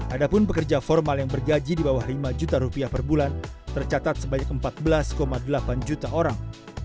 adapun pekerja formal yang bergaji di bawah lima juta rupiah per bulan tercatat sebanyak empat belas delapan juta orang